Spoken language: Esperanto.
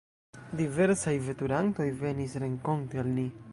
Diversaj veturantoj venis renkonte al ni.